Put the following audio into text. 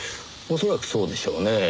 恐らくそうでしょうねぇ。